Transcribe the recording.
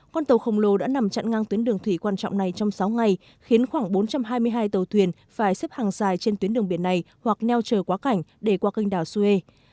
con tàu khổng lồ đã nằm chặn ngang tuyến đường thủy quan trọng này trong sáu ngày khiến khoảng bốn trăm hai mươi hai tàu thuyền phải xếp hàng dài trên tuyến đường biển này hoặc neo chờ quá cảnh để qua kênh đảo xuê